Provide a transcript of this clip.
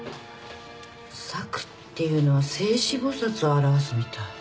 「サク」っていうのは勢至菩薩を表すみたい。